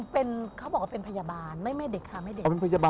เป็นเขาบอกว่าเป็นพยาบาลไม่เด็กค่ะไม่เด็ก